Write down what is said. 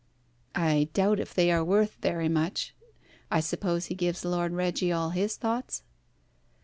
"I doubt if they are worth very much. I suppose he gives Lord Reggie all his thoughts?"